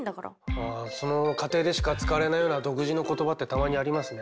ああその家庭でしか使われないような独自の言葉ってたまにありますね。